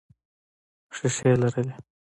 ښیښې لرلې.